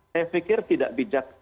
saya pikir tidak bijak